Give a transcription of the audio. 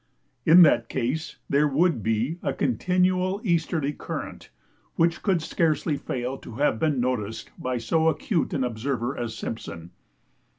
In that case there would be a continual easterly current, which could scarcely fail to have been noticed by so acute an observer as Simpson.